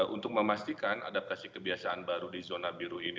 untuk memastikan adaptasi kebiasaan baru di zona biru ini